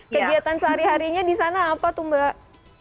kegiatan sehari harinya di sana apa tuh mbak